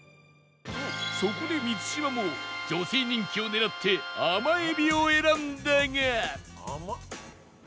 そこで満島も女性人気を狙って甘えびを選んだが